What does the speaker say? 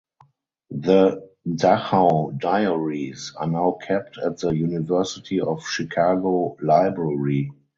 The "Dachau Diaries" are now kept at the University of Chicago Library.